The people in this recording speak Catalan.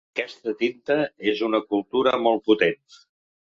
Aquesta tinta és una cultura molt potent.